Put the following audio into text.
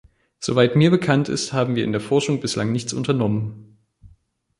Soweit mir bekannt ist, haben wir in der Forschung bislang nichts unternommen.